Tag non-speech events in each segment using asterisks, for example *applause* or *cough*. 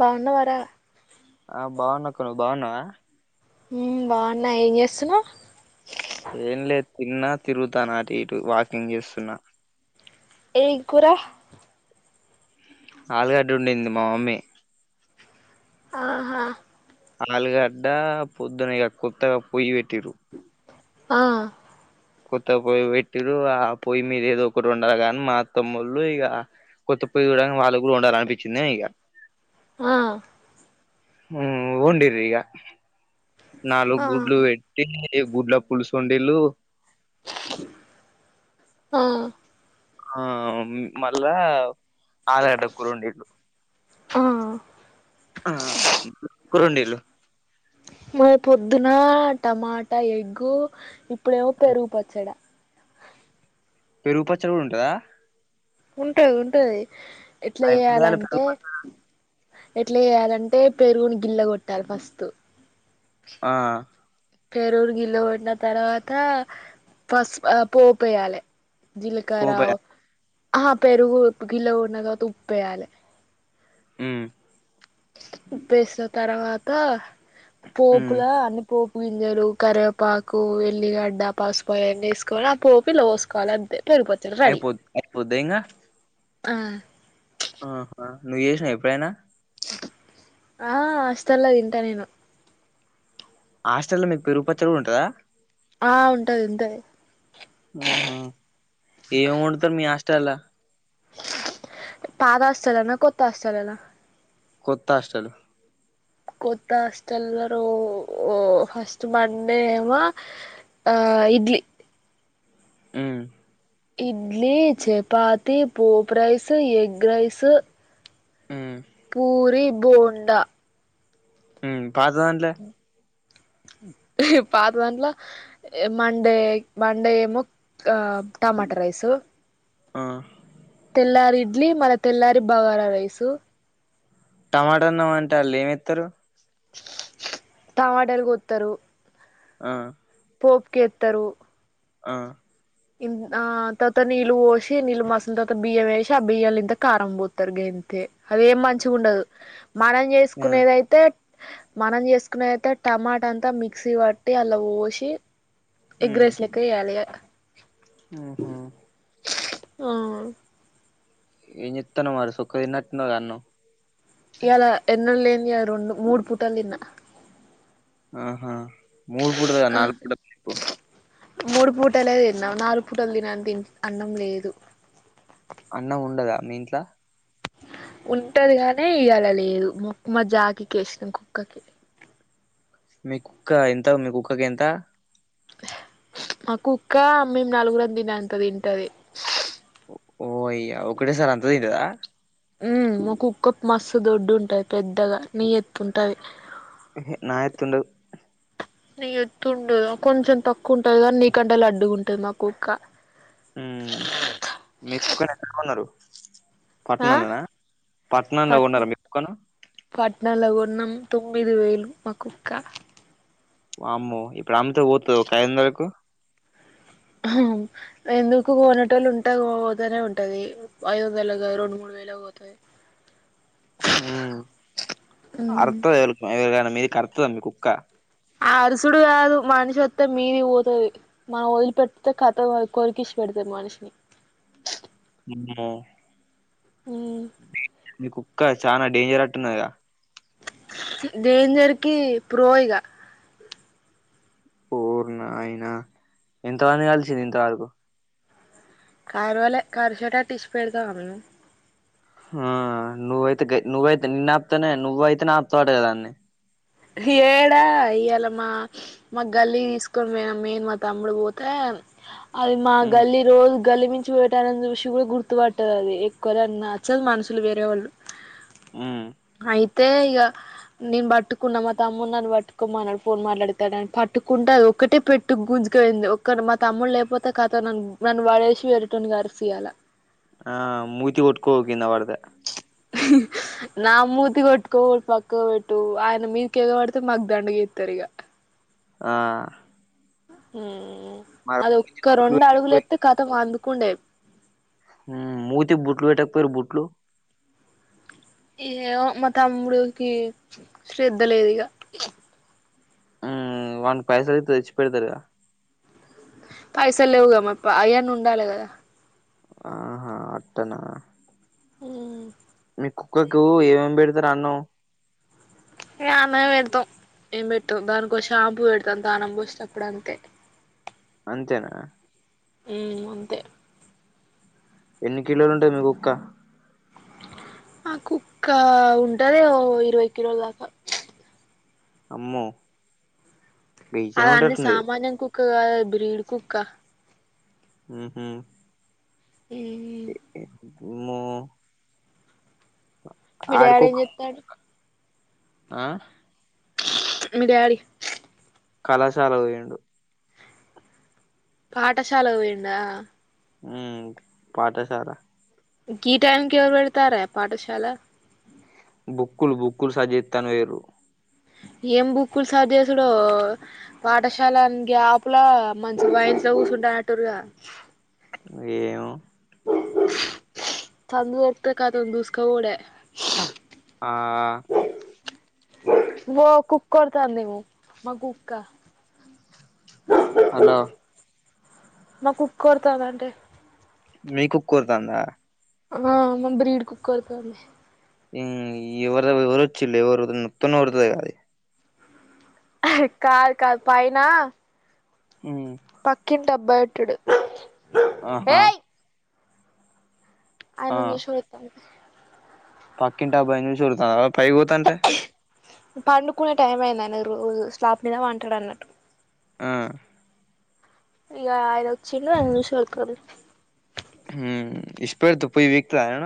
బాగున్నవారా ఆ బాగున్నాకును నువ్వు బాగున్నావ ఆ బాగున్నా ఏం చేస్తున్నావు ఏం లేదు తిన్నా తిరుగుతాన అటు ఇటు వాకింగ్ చేస్తున్నా ఏ కూరా ఆలుగడ్డ వండింది మా మమ్మీ ఆహా ఆల్గడ్డ పొద్దునేగా కొత్తగా పోయి పెట్టిర్రు ఆ కొత్తగా పొయ్యి పెట్టిరు ఆ పొయ్యి మీద ఏదో ఒకటి ఉండాల కాగాని మా అత్తమ్మొళ్ళు ఇక కొత్త పొయ్యి చూడంగానే వాళ్ళు కూడా వండాలనిపించింది ఇక ఆ వండిరిగా నాలుగు ఆ గుడ్లు పెట్టి ఇగ గుడ్లా పులుసు వండిన్లు ఆ ఆ మళ్ళా ఆలడ క్రూండీలు ఆమ్ ఆమ్ క్రూండీలు మాది పొద్దున్న టమాటా ఎగ్గు ఇప్పుడేమో పెరుగు పచ్చడా పెరుగు పచ్చడి కూడా ఉంటందా ఉంటది ఉంటది ఆ ఎట్లా ఎట్ల చేయాలే పెరుగు చేయాలంటే పచ్చడి ఎట్లా చేయాలంటే పెరుగును గిల్ల కొట్టాలి ఫస్ట్ ఆ పెరుగును గిల్ల కొట్టిన తర్వాత ఫస్ పోపేయాలే పోపే జీలకారవు ఆహ పెరుగు గిల్ల కొట్టిన తర్వాత ఉప్పేయాలే ఉమ్ ఉప్పు వేసిన తర్వాత ఉమ్ పోపులా అన్ని పోపు ముంజలు కరివేపాకు ఎల్లిగడ్డ పసుపు అయాన్ని వేసుకోవాలి ఆ పోపిల పోసుకోవాలి అం తే పెరుగు పచ్చడి రెడీ అయిపోద్ అయిపోద్దా ఇంగా ఆ ఆహా నువ్వు చేసినవ్ ఎప్పుడైనా ఆ హాస్టల్లో తింటా నేను హాస్టల్ లో మీకు పెరుగుపచ్చడి కూడా ఉంటందా ఆ ఉంటది ఉంటాయి ఉహూ ఏం వండుతారు మీ హాస్టలా పాత హాస్టలోన కొత్త హాస్టల్ లలా కొత్త హస్టల్ కొత్త హాస్టల్ రో ఫస్ట్ మండే ఏమో ఆ ఇడ్లీ ఉమ్ ఇడ్లీ చపాతి పోపు రైస్ ఎగ్ రైస్ ఉమ్ పూరి బోండా ఉమ్ పాత దాంట్లో పాతదంట్లో మండే మండే ఎమో ఆ టమాటా రైసు ఆ తెల్లారి ఇడ్లీ మళ్ళా తెల్లారి బగార రైసు టమాటా అన్నామంటే వాళ్ళు ఏమెత్తారు టమాటాలు కొత్తారు ఆ పోపుకేత్తరు ఆ ఇంట్ ఆ తర్వాత నీళ్ళు పోసి నీళ్ళు మసల్ తర్వాత బియ్య వేసి ఆ బియ్యాంలో ఇంత కారం పోతారు గంత్ అయితే అదేం మంచిగా ఉండదు మనం ఆ చేసుకునేదయితే మనం చేసుకున్నది అయితే టమాటా అంతా మిక్సీ పట్టి అలా పోసి ఎగ్ రైస్ లెక్క చేయాలే ఉహుమ్ అ ఎం చేస్తన్నావ్ అడ చుక్క తిన్నట్టు ఉన్నావ్ గా అన్నం ఇయాల ఎన్నడ్ లేంది ఇయాల రెండు మూడు పూటలు దిన్న ఆహా మూడు పూటల్ గాద్ నాలుగు పూటల్ *inaudible* నుకో మూడు పూటలే దిన్నా నాలు పూటల్ దినన్ తిన్ అన్నం లేదు అన్నం ఉండదా మీ ఇంట్లా ఉంటది గానీ ఇయాల లేదు మ మా జాకి కేసినం కుక్కకి మీ కుక్కా ఎంత మీ కుక్కకి ఎంత మా కుక్కా మేం నలుగురం దినే అంత దింటది ఓ అయ్యా ఒకటే సార్ అంత దింటదా ఊ మా కుక్క మస్తు దొడ్డు ఉంటది పెద్దగ నీ యెత్తుంటది ఎహే నా ఎత్తుండదు నీ ఎత్తుండదా కొంచెం తక్కువ ఉంటది గాన్ నీకంటే లడ్డుగుంటది మా కుక్క ఊ మీ కుక్కను ఎక్కడ గొన్నరు ఆ పట్నంల్నా పట్నంల పట్ గొన్నరా మీ కుక్కను పట్నంల గొన్నం తుమ్ మీద వొయిండు మా కుక్క అమ్మో ఇప్పుడు అమ్ముతే వోతదా ఒక ఐద్ వందలకు అహూ ఎందుకు గొనేటోళ్ళు ఉంటా వోతనే ఉంటది ఐదు వందల గాదు రెండు మూడు వేళ వోతది ఊ ఉమ్ అరుత్త *unintelligible* మీదకి కరుత్తదా మీ కుక్క ఆ అరుసుడు గాదు మనిషి ఒత్తే మీది వోతది మనం వదిలి పెట్తే కథం అది కొరికేశ్ పెడుతది మనుషిని అమ్మో ఉ మీ కుక్క చానా డేంజర్ అట్టున్నదిగా డేంజర్ కీ ప్రో ఇగ ఓర్ నాయన ఎంతమంది గలిసింది ఇంతవరకు కరువలే కరిసేటట్టు ఇస్ పెడతామా మేము హా నువ్వైతే గ నువ్వైతే నిన్ను ఆప్తేనే నువ్వైతెనే ఆప్తావ్ అటగా దాన్ని హేడా ఇయ్యాళ మా మా గల్లీ దీసుకొని వొయినం మేం మా తమ్ముడు వోతే అది మా ఉమ్ గల్లి రోజు గల్లి నుంచి వొయేటోళ్ళన్ని చూసి కూడా గుర్తువట్టదది ఎక్కువర నచ్చద్ మనుషులు వేరే వాళ్ళు ఉమ్ అయితే ఇగ నెన్ బట్టు కున్న మా తమ్ముడు నన్ను వట్టుకోమనాడు ఫోన్ మాట్లాడతాడన్ పట్టుకుంటె అది ఒకటే పెట్టు గుంజుక వొయింది ఒక్క మా తమ్ముడు లేపోతే కథ నన్ను వాడేసి వేరేటోడ్ని కరుసు ఇయాల ఆ మూతి కుట్కో కింద వడితే నా మూతి కొట్కో పక్క వెట్టు ఆయన మీకి ఎగవడితే మాక్ దండుగ ఎత్తరు ఇగ ఆ ఊ మరి అది ఒక్క బుట్లు రెండు అడుగులు పెట్టకపోయి ఎత్తే ఖతం అందుకుండే ఊ మూతి బుట్లు వెట్టక్ పొయిరు బుట్లు ఏమో మా తమ్ముడికి శ్రధ లేదు ఇగ ఊ వాని పైసలు ఇత్తే తెచ్చి పెడతడుగా పైసల్ లేవుగా మాక్ ప అయన్న ఉండాలి గదా ఆహా అట్టనా మ్ మీ కుక్కకు ఏమేమి పెడతారు అన్నం అన్నమే పెడతాం ఏం పెడతాం దానికో షాంపూ పెడతాం దానం పోసేఅప్పుడు అంతే అంతేనా మ్ అంతే ఎన్ని కిలోలు ఉంటాది మీ కుక్క మా కుక్క ఉంటది ఓ ఇరవై కిలోల దాకా అమ్మో ఆ గీచనే అవన్నీ ఉంటట్టున్నది సామాన్యం కుక్క కాదది బ్రీడ్ కుక్క ఊహు మ్ అమ్మో మీ డాడీ ఏం ఆడికొక చెత్తండు ఆ మీ డాడీ కళాశాల కి పోయిండు పాఠశాల కి పోయిండా మ్ పాఠశాల గీ టైమ్కి ఎవరు వెళ్తారయ్యా పాఠశాల బుక్కులు బుకులు సరి చేస్తానని పోయిర్రు ఏం బుక్కులు సరి చేసిడో పాఠశాల గ్యాప్లా మంచి బై చౌసుంట ఆటర్గా ఏమో సందు దొరికితే అతను దూస్క పోవుడే ఆ ఇంకో కుక్క అరుత్తాందేమో మా కుక్క హలో మా కుక్క అరుతాందంటే మీ కుక్క కోతాందా ఆ మా బ్రిడ్ కుక్క అరుత్తాంది మ్ ఎవర ఎవరొచ్చిల్ ఎవరు మత్తం ఎత కాద కాద్ కాదు పైనా పక్కింటి అబ్బాయి ఉంటడు ఆహా ఆయన చేసేది ఎక్కువ పక్కింట అబ్బాయిని చూసి ఊరుతాంది అడు పైకి పోతంటే పండుకునే టైం అయిందనే రోజు స్లాబ్ మీద వంటాడు అన్నట్టు ఆ ఇ ఆర ఉచ్చిలో అఐ నిమిషం పెట్టుకోనికి మ్ ఈశ పెడితే పోయ్ పీకుతాడా ఆయన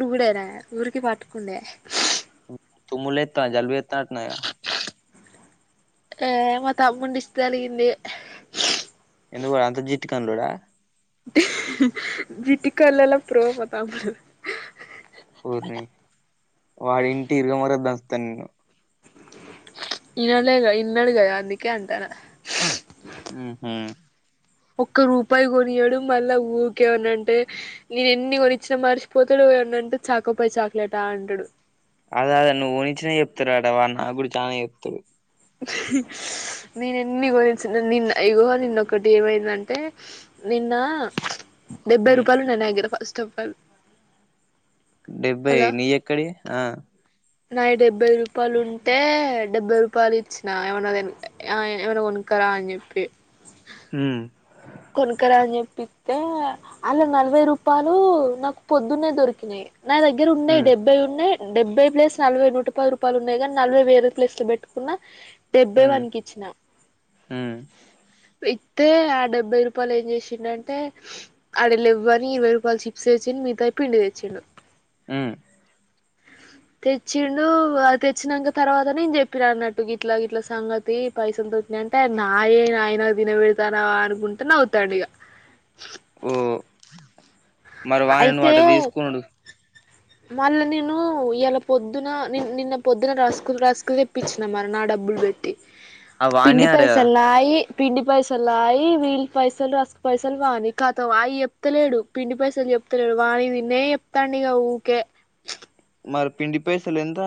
రుగుడేనా ఊరికి పటుకుండే తుమ్ములు ఎ జల్భ చెత్తన్నట్టు ఉందిగ ఆ మా తమ్ముండి దిష్టి తలిగింది ఎందుకో అంత జిట్టు కనులుడా బిటికలలో ప్రోమో తమ్ముడు. ఊరిని వాడింటి ఇరుగమర్ దంచతార్ నీను ఇయలే ఇన్నడు గదా అందుకే అంటానా. ఉహుహ్ ఒక్క రూపాయి గూడా ఇయడు మళ్ళా ఊరికేమన్నా అంటే నేను ఎన్ని కొనిచ్చినా మర్చిపోతాడు. ఎవ్వనంటే చాకొపై చాక్లెటా అంటాడు. అదే అదే నువ్వు ఊహిచ్చినై ఏప్తూరు అడా వన్ నా గూడా చానే ఎప్తూరు. *unintelligible* నీన్ ఎన్ని గురించి నిన్న ఇగో నిన్నొక్కటి ఏమైందంటే నిన్న డెబ్బై హ్మ్ రూపాయలు ఉన్నయ్ నా ఆగరా ఫస్టే ఫాల్ డెబ్బై నీ ఎక్కడియి ఆ నా డెబ్బై రూపాయలు ఉంటే డెబ్బై రూపాలు ఇచ్చినా ఏవన్నా దీన్ ఆ ఏవన్నా కొన్ క్కరా ఆన్ జేప్పి హుహ్ కొనుకరా అని ఏప్పితే అలా నలభై రూపాయలు నాకు పొద్దున్నే దొరికినాయ్. నా దగ్గర ఉన్నాయ్, హ్మ్ డెబ్బై ఉన్నాయ్. డెబ్బై ప్లేస్ నలభై నూట పది రూపాయలు ఉన్నాయ్ గానీ, నలభై వేరే ప్లేస్ లో పెట్టుకున్నా. డెబ్బై హ్మ్ వన్కి ఇచ్చిన హ్మ్ ఇత్తే ఆ డెబ్ వేయి రూపాయలు ఏం జేసిండంటే అడా లేవని అని ఇరవై రూపాయలు చిప్స్ తెచ్చి మీగతై పిండి తెచ్చిండు. ఉహ్ తెచ్చిండు. ఆ తెచ్చినాక తర్వాత నే జేప్పిన అన్నట్టు గిట్లా గిట్ల సంగతి పైసల్ నంటే నాయే నాయ్ నాగ్ దీనవెడతానా అనుకుంటే నవ్వుతాడు ఇగా ఓ మరి వాయిన్ అయితే వాటా దీసుకునుడు. మళ్ళా నీను ఇలా పొద్దున నిన్న పొద్దున రసుకుల్ రసుకు తెప్పించిన మరి నా డబ్బులు బెట్టి. ఆ పిండి వానియే అట కదా పైసల్నాయి. పిండి పైసల్ లాయి వీళ్ళ పైసలు రాస్క్ పైసలు వానీ కాంతం అయ్ ఏప్తలేడు. పిండి పైసలు జేప్తులేడు. వానివి తినయే ఏప్తాండు ఇగా ఊకే. మరి పిండి పైసలు ఎంత.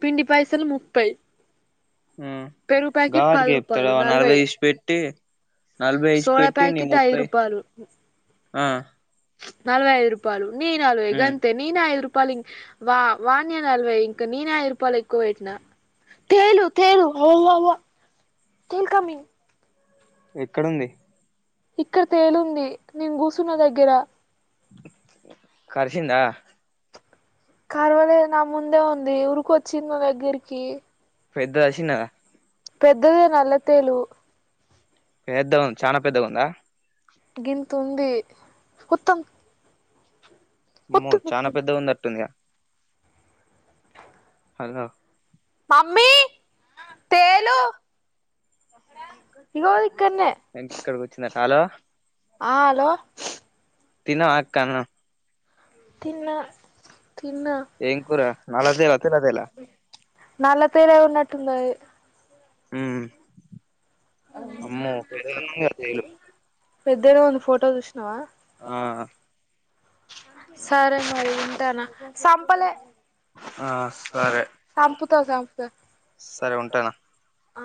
పిండి పైసలు ముప్పై. ఆ పెరుగు ప్యాకెట్ గావాటికీ పది ఏప్తారా రూపాయలు నలభై నాలవై ఇచ్చిపెట్టి నలభై సోడా ఇచ్చిపెట్టి నీ ప్యాకెట్ ఐదు ముప్పై ఆ నలవై ఐదు రూపాయాలు నీనలభై హ్మ్ గంతే నీన్ నలవై పాలింగ్ వానియే నలభై ఇంకా నీనే ఐదు రూపాయలు ఎక్కువ వెట్టనా తేలు తేలు ఓ అవ్వ అవ్వ తేలు కమింగ్. ఎక్కడుంది. ఇక్కడ తేలుంది. నీన్ గసున్న దగ్గరా కార్చిందా కర్వలేద్ నా ముందే ఉంది. ఊర్కోచింది నా దగ్గరికి. పెద్దదా చిన్నదా. పెద్దదే నల్ల తేలు. ఏద్దాం చానా పెద్దగుందా. గింతుంది. ఓతంగ్ ఆమో చానా పెద్దగా ఉంది అట్టుందిగా హలో మమ్మీ తేలు ఇగోఇక్కన్నే ఇంక ఇక్కడికి వచ్చిందట హలో ఆ హలో తిన్నావా అక్క అన్నం తిన్నా తిన్నా ఏం కూర నల్ల తేలా తెల్ల తేలా నల్లా పేర ఉన్న టున్నది హ్మ్ అమ్మో *unintelligible* పెద్దగా ఉంది ఫోటో చూసినవా ఆ సరే మరి ఉంటానా ఆ సరే సంపుతా సంపుతా సరే ఉంటానా ఆ